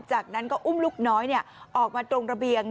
จากนั้นก็อุ้มลูกน้อยออกมาตรงระเบียง